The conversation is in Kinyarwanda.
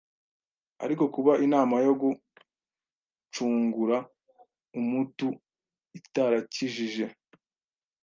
ariko kuba inama yo gucungura umuutu itarakijije